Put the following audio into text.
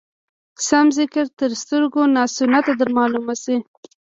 سم ذکر تر سترګو ناسنته در معلوم شي.